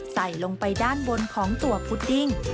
ใส่ลงไปด้านบนของตัวพุดดิ้ง